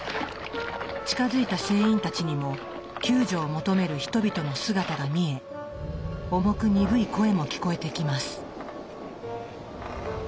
近づいた船員たちにも救助を求める人々の姿が見え重く鈍い声も聞こえてきます。